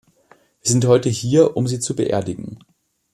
Wir sind heute hier, um sie zu beerdigen.